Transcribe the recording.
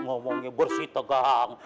ngomongnya bersih tegang